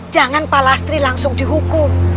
jangan pak lastri langsung dihukum